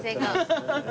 ハハハハ。